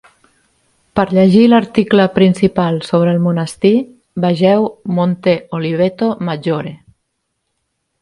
Per llegir l'article principal sobre el monestir, vegeu Monte Oliveto Maggiore.